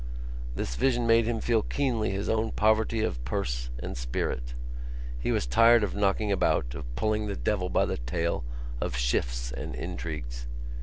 This vision made him feel keenly his own poverty of purse and spirit. He was tired of knocking about, of pulling the devil by the tail, of shifts and intrigues.